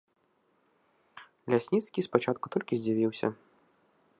Лясніцкі спачатку толькі здзівіўся.